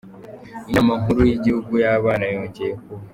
Inama nkuru y’igihugu y’abana yongeye kuba